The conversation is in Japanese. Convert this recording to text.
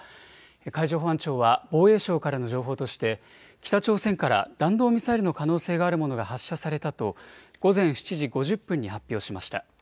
海上保安庁は防衛省からの情報として北朝鮮から弾道ミサイルの可能性があるものが発射されたと午前７時５０分に発表しました。